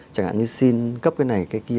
chẳng hạn như xin cấp cái này cái kia